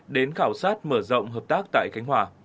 đến khảo sát mở rộng hợp tác tại khánh hòa